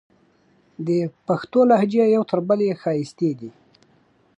د پښتو لهجې یو تر بلې ښایستې دي.